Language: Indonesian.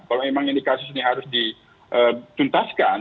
kalau memang ini harus dituntaskan